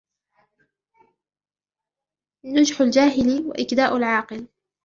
نُجْحُ الْجَاهِلِ وَإِكْدَاءُ الْعَاقِلِ